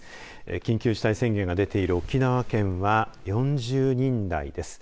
緊急事態宣言が出ている沖縄県は４０人台です。